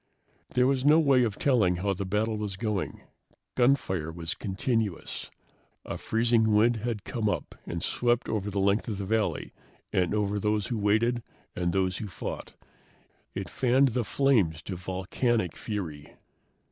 There was no way of telling how the battle was going. Gunfire was continuous. A freezing wind had come up and swept over the length of the valley and over those who waited and those who fought. It fanned the flames to volcanic fury.